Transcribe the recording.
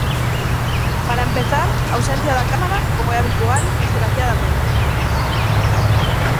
Para empezar, ausencia da Cámara, como é habitual, desgraciadamente.